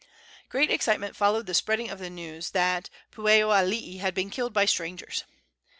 Great excitement followed the spreading of the news that Pueoalii had been killed by strangers.